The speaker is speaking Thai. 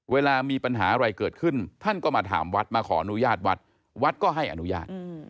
เวลามีปัญหาอะไรเกิดขึ้นท่านก็มาถามวัดมาขออนุญาตวัดวัดก็ให้อนุญาต